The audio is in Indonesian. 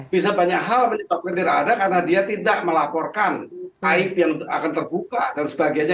bisa banyak hal menyebabkan tidak ada karena dia tidak melaporkan taib yang akan terbuka dan sebagainya